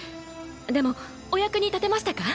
でもお役に立てましたか？